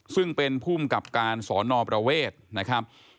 ซึ่งเป็นภูมิกับการสอนอประเวทนะครับ